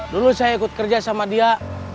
dulu saya ikut kerja sama dia